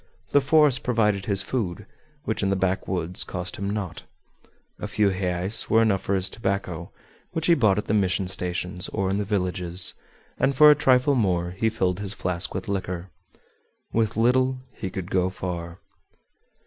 The forest provided his food, which in the backwoods cost him naught. A few reis were enough for his tobacco, which he bought at the mission stations or in the villages, and for a trifle more he filled his flask with liquor. With little he could go far.